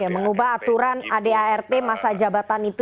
mengubah aturan adart masa jabatan itu